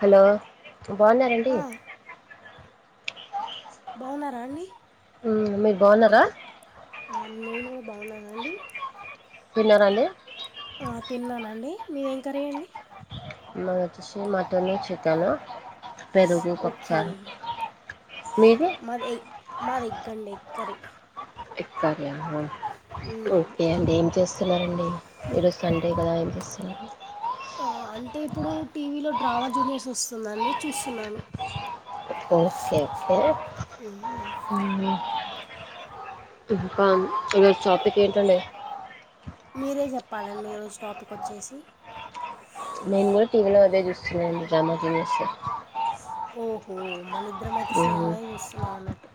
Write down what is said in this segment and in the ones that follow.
Hello బావున్నారండి ఆ, బావున్నారా అండి ఉమ్ మీరు బాగున్నారా ఆ నేను కూడా బాగున్నానండి తిన్నారా అండి ఆ తిన్నానండి మీది ఏం కర్రియండి మాది వచ్చి మటను చికెను ఓకే మీది మాది ఎ మాది ఎగ్గండి కర్రీ ఎగ్ కర్రీ మ్మ్. ఓకే అండి ఏం చేస్తున్నారండి ఈరోజు సండే కదా ఏం చేస్తున్నారు ఆ అంటే ఇప్పుడు టీవీలో డ్రామా జూనియర్స్ వస్తుంది అండి చూస్తున్నాను ఓకేఓకే ఓకే ఇంకా ఈరోజు టాపిక్ ఏంటండి మీరే చెప్పాలండి ఈరోజు టాపిక్ వచ్చేసి నేను కూడా టీవీలో అదే చూస్తున్నానమండి డ్రామా జునియర్స్ ఓహో మనిద్దరం అయితే సేమ్ అయి చూస్తున్నాం అన్నట్టు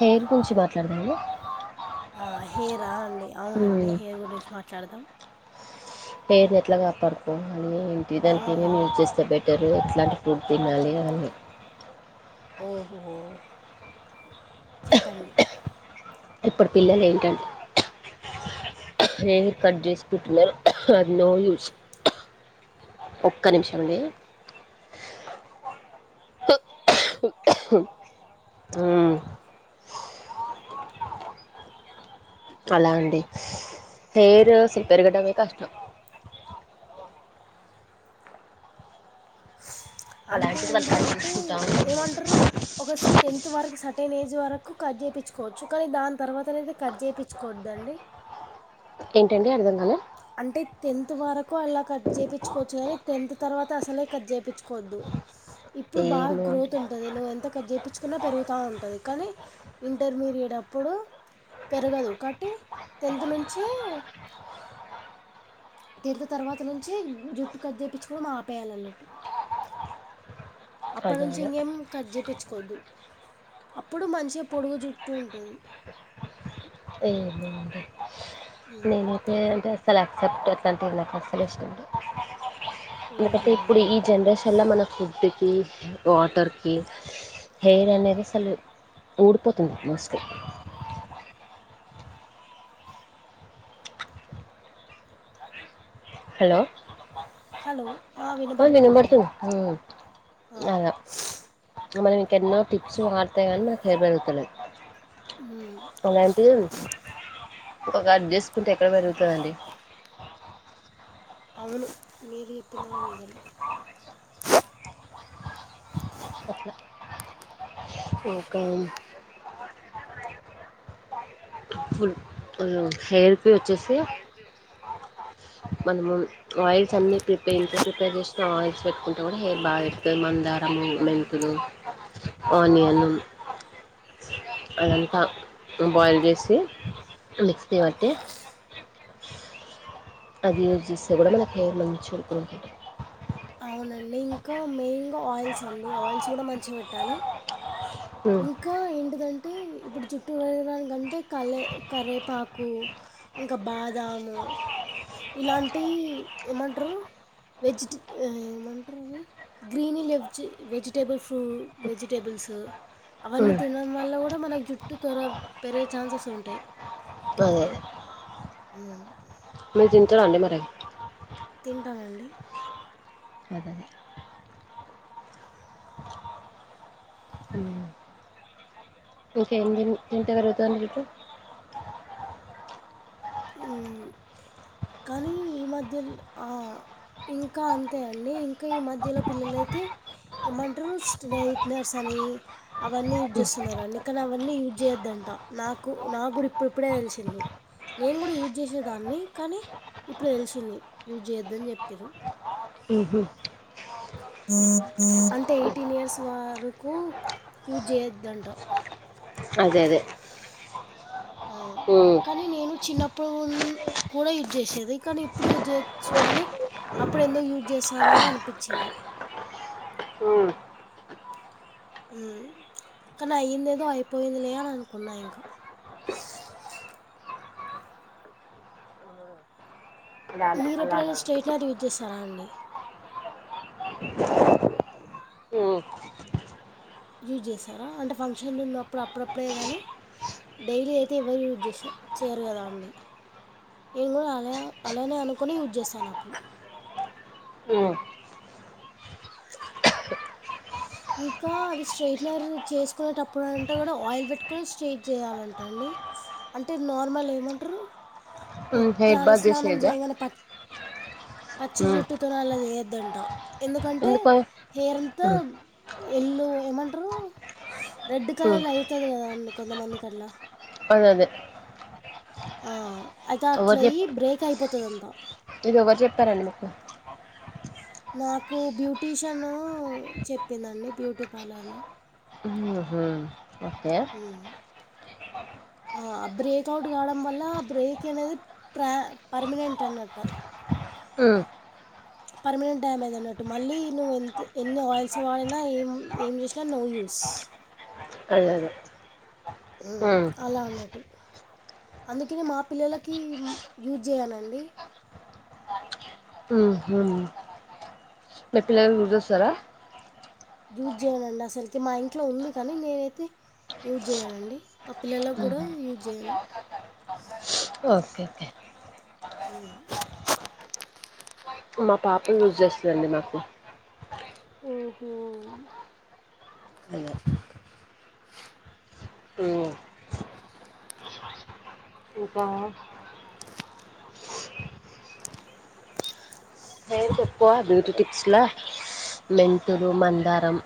హెయిర్ గురించి మాట్లాడదామా హెయిర్ అండి అవునండి హెయిర్ గురించి మాట్లాడదాం పేర్ ఎట్లా గాపాడుకో అని ఏంటి దానికి నేను మ్మ్. యూజ్ చేస్తే బెటర్ మీరు ఎట్లాంటి ఫుడ్ తినాలి అవన్నీ ఓహో చెప్పండి ఇప్పుడు పిల్లలు ఏంటండి హెయిర్ కట్ చేసి కుట్నరు అది నో యూస్ ఒక్క నిమిషం అండి ఊ అలా అండి హెయిర్ అసల్ పెరగడమే కష్టం అంటే అలాంటిది వాళ్ళు కట్ ఏంటిదంటే చేసుకుంటా ఉంటున్నారు ఏమంటారు ఒక టెన్త్ వరకు సట్ సర్టీన్ ఏజ్ వరకు కట్ చేయించుకోవచ్చు కానీ దాని తర్వాత అనేతే కట్ చేయించుకోదండి ఏంటండి అర్థం కాలా అంటే టెన్త్ వరకు అలా కట్ చేయించుకోవచ్చు కానీ టెన్త్ తర్వాత అసలే కట్ చేయించుకోవద్దు అ ఇప్పుడు బాగా గ్రోత్ ఉంటది నువ్వు ఎంత కట్ చేయించుకున్నా పెరుగు వస్తా ఉంటుంది కానీ ఇంటర్మీడియేట్ అప్పుడు పెరగదు కాటి టెన్త్ నుంచే టెన్త్ తర్వాత నుంచి జుట్టు కట్ చేయించుకోడం ఆపేయాలన్నట్టు అప్పటి అదే నుంచి అదే ఇంకేం కట్ చేయించుకోవద్దు అప్పుడు మంచిగా పొడగు జుట్టూ ఉంటుంది ఏహ అండీ నేను పెంట్ ఏసలా సెప్ట్ అట్లాంటివి నాకు అసలు ఇష్టంముండద్ ఎందుకంటే ఓహో ఇప్పుడు ఈ జనరేషన్లో మన ఫుడ్కి వాటర్కి హెయిర్ అనేది అసలు ఊడిపోతుంది మోస్ట్లీ హలో హలో ఆ వినబడుతుంది వినిపడుతు వినబడు ఊ ఆ, అలా మనం మీంక ఎన్నో టిప్స్ వాడత కానీ నాకు హెయిర్ పెరుగుతులేద్ మ్మ్. అలాంటి ఒగా చేసుకుంటే ఎక్కడ పెరుగుతు సరండి అవును మీది ఎప్పిన కూడ నిజమే అట్లా ఓకం హ్హ్ ఫుల్ హెయిర్ హెయిర్ జూసి ఆ మనము ఆయిల్స్ అన్ని ప్రిపేర్ ఇంట్లో ప్రిపేర్ చేసిన ఆయిల్స్ పెట్టుకుంటే కూడా హెయిర్ బాగా పెరుతుంది మందా రము మెంతులు ఆనియన్ అదంతా బాయిల్ చేసి మిక్సి వట్టి అది యూజ చేస్తే కూడా మనకు హెర్ మంచి ఉంటుంది అవునండి ఇంకా మెయిన్గా ఆయిల్స్ అండి ఆయిల్స్ కూడా మంచిగా పెట్టాలి ఉమ్ ఇంకా ఎంందుకు ఎంటంటే ఇప్పుడు జుట్టు పెరగడానికింటే కలే కరవేపాకు ఇంకా బాదం అ ఇలాంటి ఏమంటరు వెజిట్ ఏమంటరు అవి గ్రీని లేవ్జి వెజిటేబుల్ ఫ్రూ వెజిటేబుల్స్ అవన్నీ ఉమ్ తినడం వల్ల కూడా మనకు జుట్టు త్వరగా పెరిగే ఛాన్సెస్ ఉంటాయి అదే హ మీరు తింటరా అండి మరే తింటానండి అవి అదే ఇంకేం తిన్ తింటే పెరుగుతదండి జుట్టు [unintelligible] కానీ ఈ మధ్యల ఆ ఇంకా అంతే అండి ఇంకా ఈ మధ్యలో పిల్లలయితే ఏమంటరు స్ట్రెయిటైనర్స్స్ అని అవన్నీ యూజ్ చేస్తున్నరండి కానీ అవన్నీ యూజ్ చేయొద్దండి అంట నాకు నాక్కూడా ఇప్పుడిప్పుడే తెలిసింది నేను కూడా యూజ్ చేసేదాన్ని కానీ ఇప్పుడు తెలిసింది యూజ్ చేయొద్దని చెప్పిర్రు ఉహు అంటే ఎయిటీన్ ఇయర్స్ వరకు యూస్ చేయోద్దంట అదే అదే ఆ ఉమ్ కానీ నేను చిన్నప్పుడు కూడా యూజ్ చేసేది కానీ ఇప్పుడు యూజ్ చేయచ్చు అని అప్పుడు ఎందుకు యూజ్ చేస్తాన అనిపించింది ఉమ్ కానీ అయ్యింది ఏదో అయిపోయిందిలే అని అనుకున్నా ఇంకా అలాగా మీరు ఎప్పుడైనా అలాగా స్ట్రైట్నర్ యూజ్ చేసారా అండి ఉమ్ యూజ్ చేసారా అంటే ఫంక్షన్ ఉన్నప్పుడు అప్పుడప్పుడే కానీ డైలీ అయితే ఎవ్వరు యూస్ చేసే చేయరు కదా అండి నేను కూడా అలా అలానే అనుకుని యూజ్ చేస్తాన అప్పుడు ఉమ్ ఇంకా అది స్ట్రైట్నర్ చేసుకునేటప్పుడంట కూడా ఆయిల్ పెట్టుకుని స్ట్రైట్ చేయాలంట అండి అంటే నార్మల్ ఏమంటరు ఉమ్ హెయిర్ త్రల బాత్ స్నానం చేసేదా చేయగానే పచ్చ్ పచ్చి ఉమ్ జుట్టుతోని అలా చేయొద్దంట ఎందుకంటే ఎందుకు హెయిర్ అంతా ఉమ్ ఎల్లో ఏమంటరు రెడ్ కలర్ల అయితది కదా అండి కొంతమందికి అట్లా అదదే ఆ అయితే అట్లయి బ్రేక్ అయిపోతదంటా ఇది ఎవరు చెప్పారండి మీకు నాకు బ్యూటీషియను చెప్పిందండి బ్యూటీ పార్లర్లో ఆహా ఓకే ఆ బ్రేక్ అవుట్ కావడం వల్ల ఆ బ్రేక్ అనేది ప్ర పర్మనెంట్ అన్నట్ట అ పర్మనెంట్ డ్యామేజ్ అన్నట్టు మళ్ళీ నువ్వు ఎంత ఎన్ని ఆయిల్స్ వాడినా ఏం ఏం చేసినా నో యూ స్ అదదే అలా అన్నట్టు అందుకనే మా పిల్లలకి యూజ్ చేయనండి ఉహు [unintelligible] యూజేయనండసల్కి మా ఇంట్లో ఉంది కనీ నేనైతే యూజెయ్యనండీ అ పిల్లలగ్గుడా ఉహు యూజేయనూ ఓకే ఓకే ఉ [unintelligible] చేస్తదండి మాకు ఊ హో అదే ఉమ్ ఇంకా హెయిర్కెక్కువా బ్యూటీ టిప్స్క్ లా మెంతులు మందారం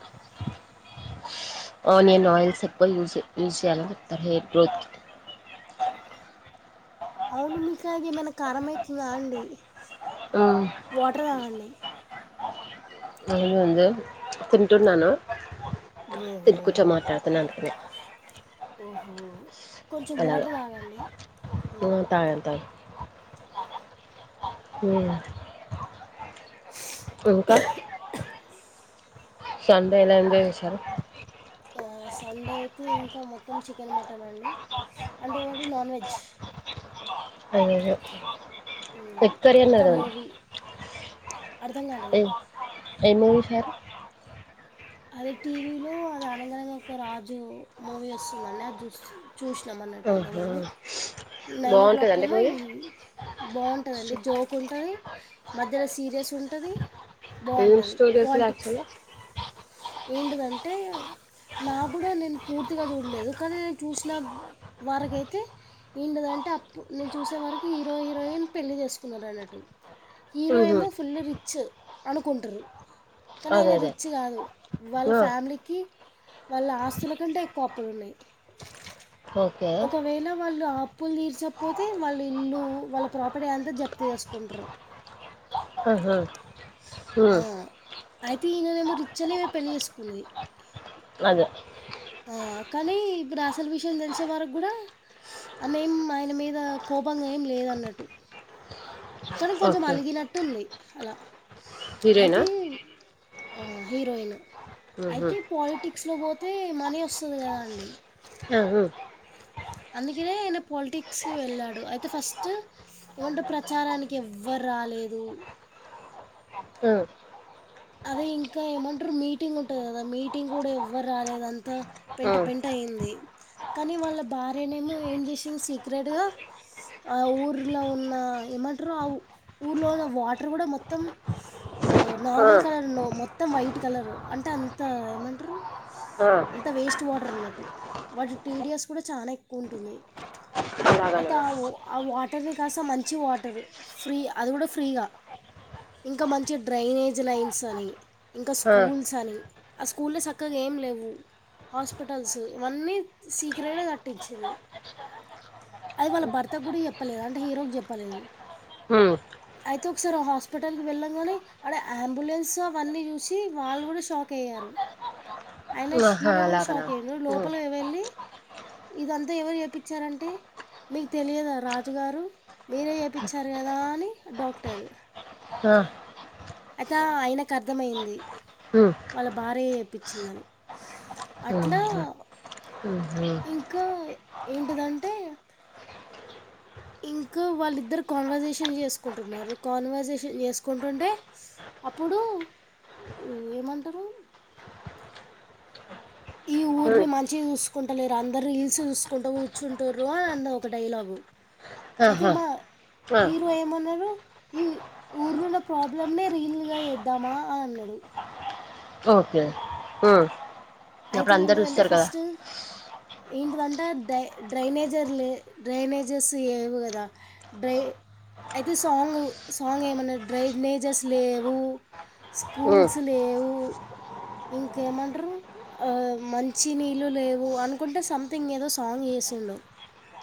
ఆనియన్ ఆయిల్స్ ఎక్కువ యూస్ యూస్ చేయాలని చెప్తారు హెయిర్ గ్రోత్కి అవును మీకా ఏమైనా కారమైతుదా అండీ ఉమ్ వాట్ర్ తాగండి యేందే తింటున్నానూ తింట ఓహో కూర్చో మాటాడుతున్నా అందుకనే ఓహో కొంచెం అలాగ వాట్ర్ దాగండీ ఉమ్ తాగాను ఊ ఇంక సండే ఎలా ఎంజాయ్ జెశారు ఆ సండే అయితే ఇంకా మొత్తం చికెను మటనండి అంటే ఏమంటరు నాన్ వెజ్ ఉమ్, ఇంకా మూవీ [unintelligible] అర్థం గాలేదు ఏం ఏం మూవీ జూసారు అదె టీవీలో అదె అనగనగా ఒక రాజూ మూవీ ఒస్తుందండి అద్ జూస్తున్నం చూశ్నం అన్నట్టు ఇంత ఆహా ముందే నైనో బాగుంటదండి క్లోక్కేమో ఈ బావుంటదండీ మూవీ జోకుంటదీ మధ్యల సీరియసుంటదీ ఏం బావుంటదీ స్టోరీస్లు పోలిటిక్స్ యాక్చువల్గా ఏంటిదంటే నాగ్గుడా నేన్ పూర్తిగా జూడలేదు కనీ నేను చూసిన వారకైతే ఏంటిదంటే అప్పు నేన్ చూసే వరకీ హీరో హీరోయిన్ పెళ్లి జేసుకున్నరన్నట్టూ ఉహు హీరోయేమో ఫుల్లు రిచ్చ్ అనుకుంటుర్రు కనయన అదే రిచ్ గాదూ వాళ్ళ అదే ఆ ఫ్యామిలీకి వాళ్ళ ఆస్తుల కంటే ఎక్కువ అప్పులున్నయ్ ఓకే ఒకవేళ వాళ్ళు ఆప్ ప్పుల్ దీర్చపోతే మళ్లీ ఇల్లూ వాళ్ళ ప్రాపర్టీ అంతా జప్తు యేసుకుంట్రు అహా ఆ అయితీయననేమో రిచ్చ్ అనే పెళ్ళి యేసుకుంది అదె ఆ కనీ ఇప్పుడసలు విషయం దెలిసే వరగ్గుడా అ మేం ఆయన మీద కో కోపంగేం లేదన్నట్టు కని ఓకే కొంచమలిగినట్టుంది అలా హీరోయినా అయితే ఆ హీరోయిను ఉహు అయితే పాలిటిక్స్లో బోతే మనీ ఒస్తది గదా అండి ఆ హూ అందుకినే ఆయన పాలిటిక్స్కి వెళ్ళాడు అయితే ఫస్టూ ఏమంట్రు ప్రచారానికెవ్వ రా కాలేదు [inaudible] [inaudible] అదే ఇంకా ఏమంటారు మీటింగ్ ఉంటది కదా మీటింగ్ కూడా ఎవ్వరు రాలేదు అంతా ఆ పెంట పెంట అయ్యింది కానీ వాళ్ళ భార్యనేమో ఏం చేసింది సీక్రెట్ గా ఆ ఊర్లో ఉన్న ఏమంటారు ఆ ఊర్లోన్న వాటర్ కూడా మొత్తం ఆ నార్మల్ కలర్లో మొత్తం వైట్ కలరు అంటే అంత ఏమంటారు ఆ అంత వేస్ట్ వాటర్ అన్నట్టు వాటి టీడిఎస్ కూడా చానా ఎక్కువ ఉంటుంది అయితే అలాగనా ఆ ఆ వాటర్ని కాస్త మంచి వాటరు ఫ్రీ అది కూడా ఫ్రీగా ఇంకా మంచి డ్రైనేజ్ లైన్స్ అని ఇంకా ఆ స్కూల్స్ అని ఆ స్కూల్లో సక్కగా ఏం లేవు హాస్పిటల్స్ ఇవన్నీ సీక్రెట్గా కట్టిచ్చింది అది వాళ్ళ భర్త కూడా చెప్పలేదు అంటే హీరోకి చెప్పలేదు ఉమ్ అయితే ఒకసారి హాస్పిటల్కి వెళ్ళాంగానే ఆడ అంబులెన్స్ సో అవి అన్నీ చూసి వాళ్ళు కూడా షాక్ అయ్యారు ఆయన ఆహా హీరో కూడా అలాగనా షాక్ అయ్యాడు ఉమ్ లోపలకి వెళ్ళి ఇదంతా ఎవరు చేపిచ్చారంటే మీకు తెలియదా రాజుగారు మీరే చేపిచ్చారు కదా అని డాక్టరు ఆ తరువాత ఆ ఆయనకు అర్థమైంది ఉమ్ వాళ్ళ భార్య చేపిచ్చిందని అట్లా ఉహు ఉహు ఇంకా ఏంటిదంటే ఇంకా వాళ్ళిద్దరు కాన్వర్జేషన్ చేసుకుంటున్నారు కాన్వర్జేషన్ చేసుకుంటుంటే అప్పుడు ఏమంటారు ఈ ఊరిని ఉమ్ మంచిగా చూసుకుంట లేరు అందరూ రీల్స్ చూసుకుంటూ కూర్చుంటుర్రు అని అన్నది ఒక డైలాగు అయితే ఆహా మా ఆ హీరో ఏమన్నారు ఈ ఊర్లోన్న ప్రాబ్లమ్ నే రియల్గా వేద్దామా అని అన్నాడు ఓకే హ్మ్ అయితే ఏంటదంటే ఫస్ట్ ఏంటిదంటే అంటే డై డ్రైనేజర్లు డ్రైనేజర్స్ ఏవు కదా డ్రై అయితే సాంగ్ సాంగ్ ఏమన్నా డ్రైనేజర్స్ లేవు ఉమ్ స్కూల్స్ లేవు ఇంకేమంటారు మంచి నీళ్ళు లేవు అనుకుంటే సంథింగ్ ఏదో సాంగ్ చేసిండు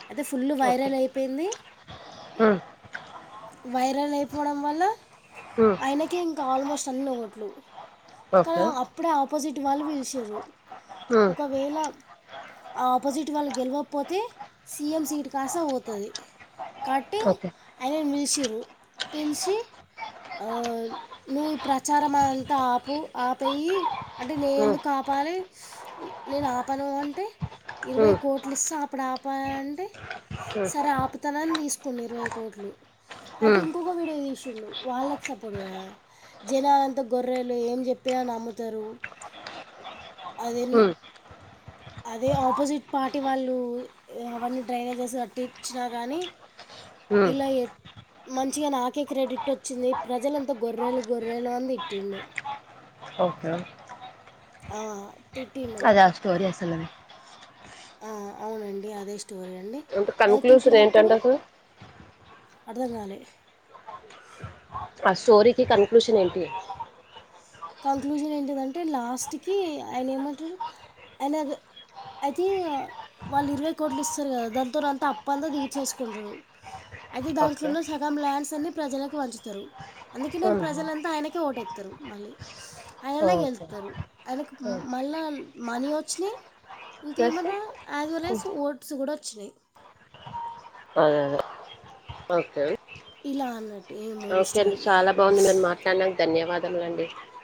అయితే ఫుల్లు వైరల్ అయిపోయింది ఆ వైరల్ అయిపోవడం వల్ల ఉమ్ ఆయనకే ఇంకా ఆల్మోస్ట్ అన్ని ఓట్లు అక్కడ ఓకే అప్పుడే ఆపోజిట్ వాళ్ళు పిలిశిర్రు ఉమ్ ఒకవేళ ఆ ఆపోజిట్ వాళ్ళు గెలవకపోతే సీఎం సీట్ కాస్త పోతది కాబట్టి ఓకే ఆయనని పిలిశిర్రు పిలిచి ఆ నువ్ ఈ ప్రచారం అంతా ఆపు ఆపేయి అంటే నేను ఉమ్ ఎందుకు ఆప ఆపాలి నేను ఆపను అంటే ఇరవై ఉమ్ కోట్లు ఇస్తాం అప్పుడు ఆపవా అంటే సరే ఆపుతానని తీసుకుండే ఇరవై కోట్లు అయితే ఉమ్ ఉమ్ ఇంకొక వీడియో తీసిండు వాళ్ళకి సపోర్ట్ కద జనాలంత గొర్రెలు ఏం చెప్పినా నమ్ముతారు అది ఎన్ ఉమ్ అది ఆపోజిట్ పార్టీ వాళ్ళు అవన్నీ డ్రైనేజెస్ కట్టించినా కానీ ఉమ్ ఇల్ల ఏ మంచిగా నాకే క్రెడిట్ వచ్చింది ప్రజలంతా గొర్రెలు గొర్రెలు అంది తిట్టిండు ఓకే ఆ తిట్టిండు కద ఆ స్టోరీ అసలు ఆ ఆ అండి అదే స్టోరి అండి అంటే ఏ కన్క్లూషన్ తిట్టినప్పుడు ఏంటంట సార్ అర్థం కాలే ఆ స్టోరీకి కన్క్లూషన్ ఏంటి కంక్లూజన్ ఏంటిదంటే లాస్ట్కి ఆయన ఏమంటారు ఆయన అయితే వాళ్ళు ఇరవై కోట్లు ఇస్తారు కదా దానితోని అంతా అప్పంతా తీర్చేసుకుంటారు అ అయితే దాంట్లోనే సగం ల్యాండ్స్ అన్ని ప్రజలకు పంచుతారు అందుకనే ఆహా! ప్రజలంతా ఆయనకే ఓటెస్తారు మళ్ళీ ఆయననే ఓకే గెలుతరు ఆయనకు హ్మ్. మళ్ళా మనీ వచ్చినయి ప్లస్ ఇంకేమంట యాజ్ వెల్ యాస్ ఓట్స్ కూడా వచ్చినాయి అదే అదే ఓకే ఇలాన ఓకే అండి చాలా బాగుంది మీరు మాట్లాడినా ధన్యవాదములు అండి